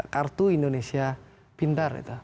kartu indonesia pintar itu